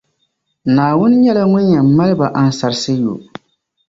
Naawuni nyεla ŋun yεn mali ba ansarisi yo.